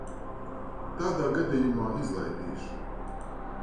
Tādā gadījumā izlaidīšu.